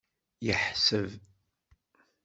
Yeḥseb.